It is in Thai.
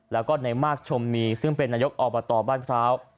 และนายมาร์คชมมีซึ่งเป็นนายนออบตบ้านพร้าว